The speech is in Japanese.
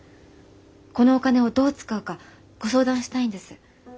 このお金をどう使うかご相談したいんです。